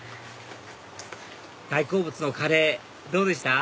大好物のカレーどうでした？